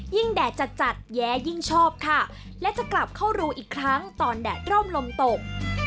แดดจัดจัดแย้ยิ่งชอบค่ะและจะกลับเข้ารูอีกครั้งตอนแดดร่มลมตก